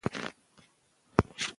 موږ له ډېرو کلونو راهیسې دلته اوسېږو.